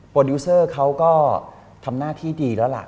ดิวเซอร์เขาก็ทำหน้าที่ดีแล้วล่ะ